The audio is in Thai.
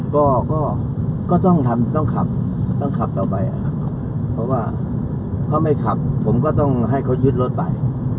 ก็ก็ต้องทำต้องขับต้องขับต่อไปนะครับเพราะว่าถ้าไม่ขับผมก็ต้องให้เขายึดรถไป